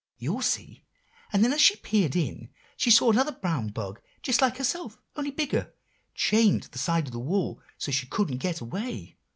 "You'll see. And then as she peered in, she saw another brown bug, just like herself, only bigger, chained to the side of the wall, so she couldn't get away."